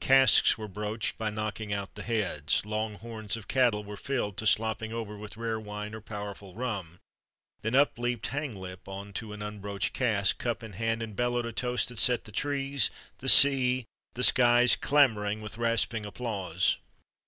Casks were broached by knocking out the heads; long horns of cattle were filled to slopping over with rare wine or powerful rum; and then up leaped Hanglip on to an unbroached cask, cup in hand, and bellowed a toast that set the trees, the sea, the skies clamoring with rasping applause.